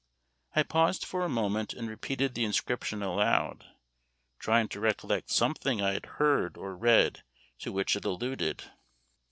I paused for a moment and repeated the inscription aloud, trying to recollect something I had heard or read to which it alluded.